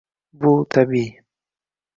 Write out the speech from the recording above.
Bu– tabiiy.